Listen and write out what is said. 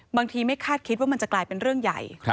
ไม่คาดคิดว่ามันจะกลายเป็นเรื่องใหญ่